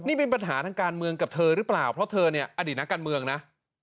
นี่เป็นปัญหาทางการเมืองกับเธอหรือเปล่าเพราะเธอเนี่ยอดีตนักการเมืองนะ